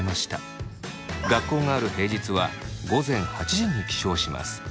学校がある平日は午前８時に起床します。